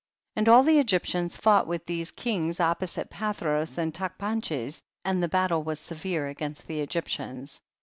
31. And all the Eijvplians fought with these kings opposite Pathros and Tachpanches, and the battle was severe against the Egyptians.